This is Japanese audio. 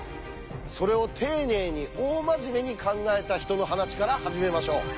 それを丁寧に大真面目に考えた人の話から始めましょう。